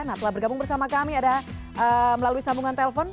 nah telah bergabung bersama kami ada melalui sambungan telpon